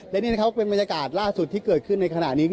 และนี่นะครับเป็นบรรยากาศล่าสุดที่เกิดขึ้นในขณะนี้